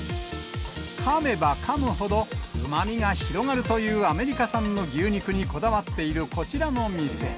かめばかむほど、うまみが広がるというアメリカ産の牛肉にこだわっているこちらの店。